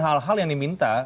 hal hal yang diminta